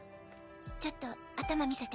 ちょっと頭見せて。